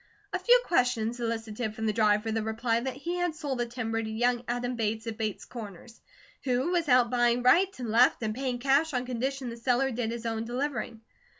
A few questions elicited from the driver the reply that he had sold the timber to young Adam Bates of Bates Corners, who was out buying right and left and paying cash on condition the seller did his own delivering.